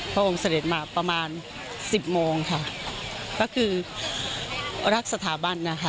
พระองค์เสด็จมาประมาณสิบโมงค่ะก็คือรักสถาบันนะคะ